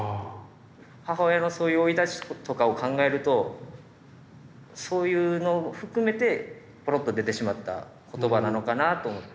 母親のそういう生い立ちとかを考えるとそういうの含めてぽろっと出てしまった言葉なのかなぁと思って。